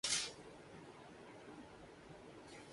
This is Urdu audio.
حکومتیں جائیں تاریخ کے کوڑے دان میں۔